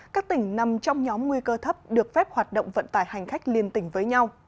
các tỉnh nằm trong nhóm nguy cơ thấp được phép hoạt động vận tải hành khách liên tỉnh với nhau